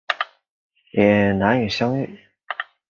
也难以相遇